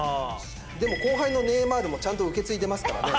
でも後輩のネイマールもちゃんと受け継いでますからね。